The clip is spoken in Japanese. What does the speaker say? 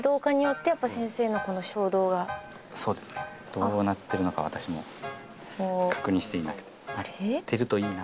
どうなってるのか私も確認していなくてなってるといいな。